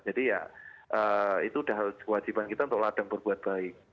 jadi ya itu udah wajiban kita untuk ladang berbuat baik